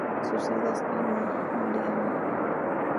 Su sede está en Marianna.